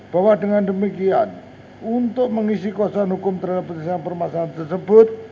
bahwa dengan demikian untuk mengisi kosongan hukum terhadap persisahan permasakan tersebut